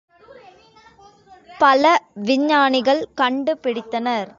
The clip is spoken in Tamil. பல விஞ்ஞானிகள் கண்டு பிடித்தனர்.